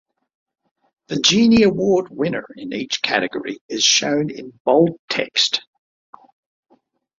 The Genie Award winner in each category is shown in bold text.